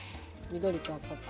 緑と赤で。